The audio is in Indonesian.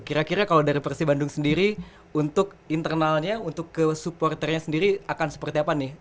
kira kira kalau dari persib bandung sendiri untuk internalnya untuk ke supporternya sendiri akan seperti apa nih